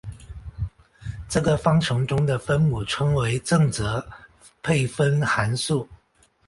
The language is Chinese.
这个方程中的分母称为正则配分函数。